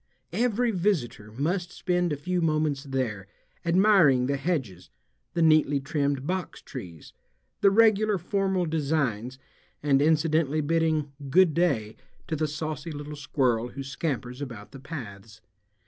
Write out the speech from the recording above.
Every visitor must spend a few moments there, admiring the hedges, the neatly trimmed boxtrees, the regular formal designs, and incidentally bidding "Good day" to the saucy little squirrel who scampers about the paths.